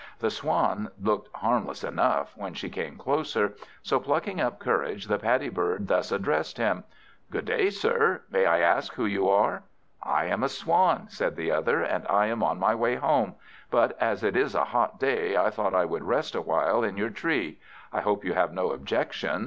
The Swan looked harmless enough when she came closer, so plucking up courage, the Paddy bird thus addressed him "Good day, sir. May I ask who you are?" "I am a Swan," said the other, "and I am on my way home; but as it is a hot day, I thought I would rest awhile on your tree. I hope you have no objection?"